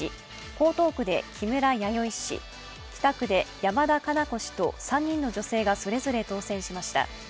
江東区で木村弥生氏北区で山田加奈子氏と３人の女性がそれぞれ当選しました。